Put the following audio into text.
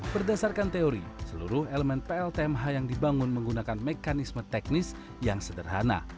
berdasarkan teori seluruh elemen pltmh yang dibangun menggunakan mekanisme teknis yang sederhana